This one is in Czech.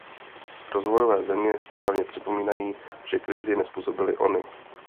Rozvojové země správně připomínají, že krizi nezpůsobily ony.